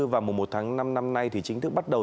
vào mùa một tháng năm năm nay thì chính thức bắt đầu